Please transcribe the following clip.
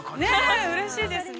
◆ねえ、うれしいですね。